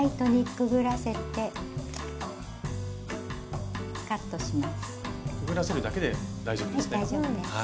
くぐらせるだけで大丈夫ですね。